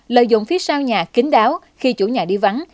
lợi dụng phía sau nhà kính đáo khi chủ nhà đi vắng